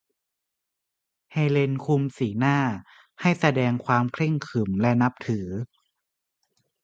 เฮเลนคุมสีหน้าให้แสดงความเคร่งขรึมและนับถือ